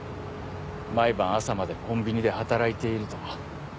毎晩朝までコンビニで働いていると。